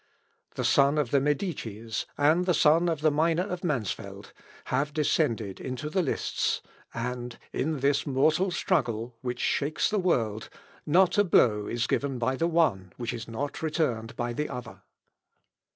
The son of the Medicis, and the son of the miner of Mansfeld, have descended into the lists, and in this mortal struggle, which shakes the world, not a blow is given by the one which is not returned by the other.